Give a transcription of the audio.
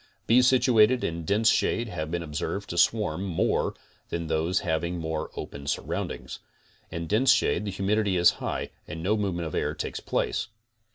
Bees situated in dense shade have been observed to swarm more than those having more open surroundings. In dense shade the humidity is high and no movement of air takes place.